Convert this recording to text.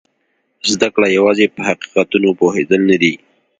زده کړه یوازې په حقیقتونو پوهېدل نه دي.